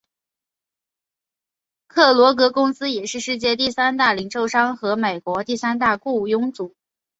克罗格公司也是世界第三大零售商和美国第三大雇佣主。